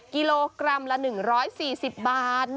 กิโลกรัมละ๑๔๐บาท